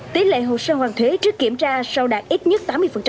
tỷ lệ hồ sơ hoàn thuế trước kiểm tra sau đạt ít nhất tám mươi